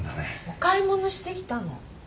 お買い物してきたの。